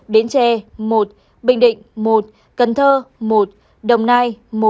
hai đến tre một bình định một cần thơ một đồng nai